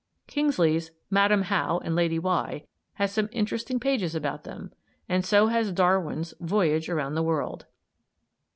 Kingsley's "Madam How and Lady Why" has some interesting pages about them; and so has Darwin's "Voyage Around the World."